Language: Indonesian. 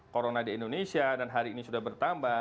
corona di indonesia dan hari ini sudah bertambah